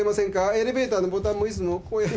エレベーターのボタンもいつもこうやって。